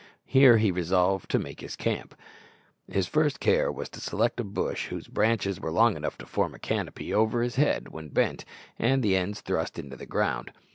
Here he resolved to make his camp. His first care was to select a bush whose branches were long enough to form a canopy over his head when bent, and the ends thrust into the ground.